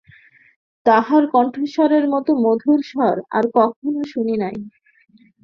তাঁহার কণ্ঠস্বরের মত মধুর স্বর আর কাহারও শুনি নাই।